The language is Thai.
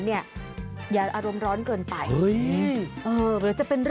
วิทยาลัยศาสตร์อัศวิทยาลัยศาสตร์